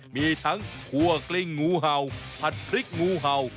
มีทั้งคั่วกลิ้งงูเห่าผัดพริกงูเห่า